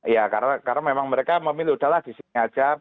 ya karena memang mereka memilih sudah lah di sini saja